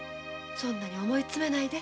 そんなに思いつめないで。